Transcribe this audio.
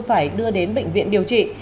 phải đưa đến bệnh viện điều trị